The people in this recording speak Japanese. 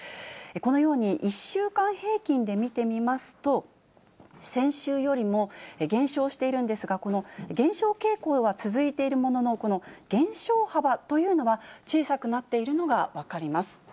このように１週間平均で見てみますと、先週よりも減少しているんですが、この減少傾向は続いているものの、この減少幅というのは、小さくなっているのが分かります。